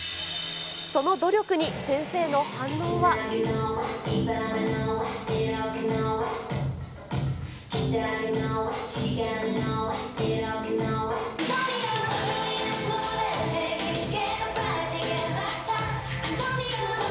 その努力に、先生に反応は。ＯＫ。